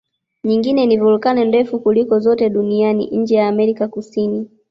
Nyingine ni volkeno ndefu kuliko zote duniani nje ya Amerika Kusini